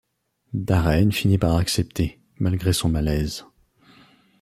Darren finit par accepter, malgré son malaise.